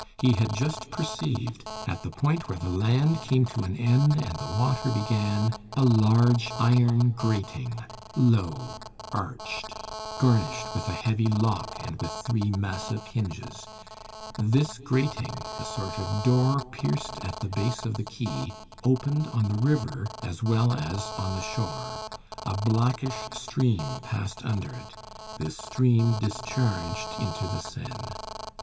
He had just perceived, at the point where the land came to an end and the water began, a large iron grating, low, arched, garnished with a heavy lock and with three massive hinges. This grating, a sort of door pierced at the base of the quay, opened on the river as well as on the shore. A blackish stream passed under it. This stream discharged into the Seine.